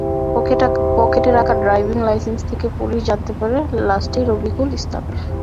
পকেটে রাখা driving licence থেকে পুলিশ জানতে পারে, লাশটি রকিবুল ইসলামের।